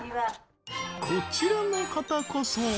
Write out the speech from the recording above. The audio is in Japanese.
こちらの方こそ！